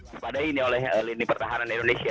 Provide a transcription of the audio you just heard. waspadai ini oleh lini pertahanan indonesia